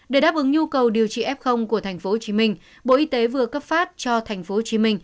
để đáp ứng nhu cầu điều trị f của tp hcm bộ y tế vừa cấp phát cho tp hcm